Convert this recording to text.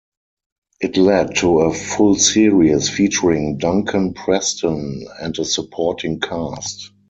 It led to a full series, featuring Duncan Preston and a supporting cast.